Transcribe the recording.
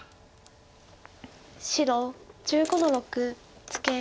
白１５の六ツケ。